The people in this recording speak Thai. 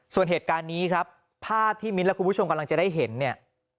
ส่วนเหตุการณ์นี้ครับภาพที่มิ้นและคุณผู้ชมกำลังจะได้เห็นเนี่ย